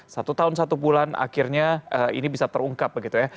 satu tahun satu bulan akhirnya ini bisa terungkap begitu ya